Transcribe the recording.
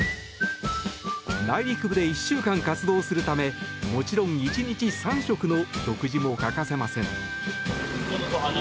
内陸部で１週間活動するためもちろん１日３食の食事も欠かせません。